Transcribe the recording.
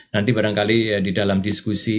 nanti barangkali di dalam diskusi